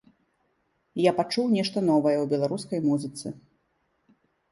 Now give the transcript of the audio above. Я пачуў нешта новае ў беларускай музыцы.